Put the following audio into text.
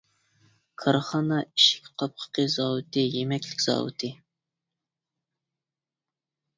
كارخانا ئىشىك قاپقىقى زاۋۇتى، يېمەكلىك زاۋۇتى.